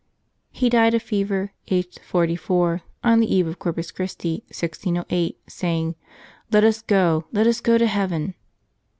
He died of fever, aged forty four, on the eve of Corpus Christi, 1608, saying, " Let us go, let us go to heaven